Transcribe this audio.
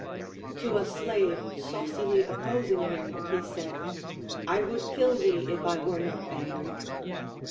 To a slave saucily opposing him he said, I would kill thee if I were not angry.